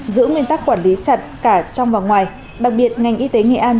giữ nguyên tắc quản lý chặt cả trong và ngoài đặc biệt ngành y tế nghệ an